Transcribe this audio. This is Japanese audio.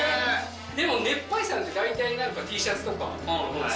でも熱波師さんって、大体Ｔシャツとか。